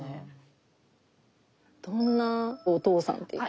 どんなお父さんっていうか。